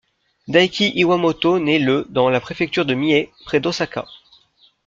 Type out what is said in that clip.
Daiki Iwamoto naît le dans la préfecture de Mie, près d'Osaka.